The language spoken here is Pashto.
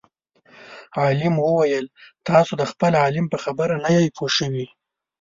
عالم وویل تاسو د خپل عالم په خبره نه یئ پوه شوي.